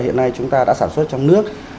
hiện nay chúng ta đã sản xuất trong nước